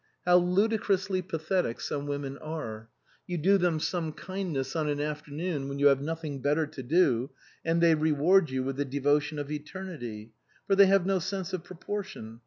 How ludicrously pathetic some women are ! You do them some kindness on an afternoon when you have nothing better to do, and they reward you with the devotion of eternity ; for they have no sense of proportion.